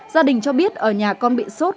gia đình cho biết ở nhà con bị sốt